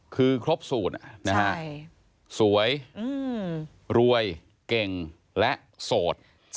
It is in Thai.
คือครบศูนย์สวยรวยเก่งและโสด